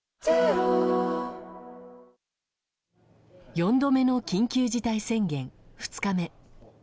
４度目の緊急事態宣言、２日目。